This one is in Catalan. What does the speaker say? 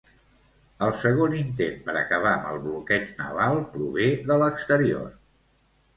El segon intent per acabar amb el bloqueig naval prové de l'exterior.